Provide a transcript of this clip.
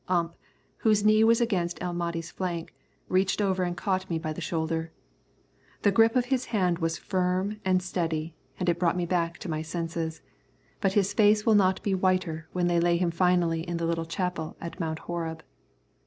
Ump, whose knee was against El Mahdi's flank, reached over and caught me by the shoulder. The grip of his hand was firm and steady, and it brought me back to my senses, but his face will not be whiter when they lay him finally in the little chapel at Mount Horeb.